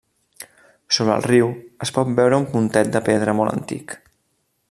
Sobre el riu es pot veure un pontet de pedra molt antic.